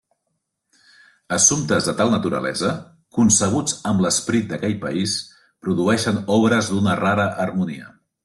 Assumptes de tal naturalesa, concebuts amb l’esperit d’aquell país, produeixen obres d’una rara harmonia.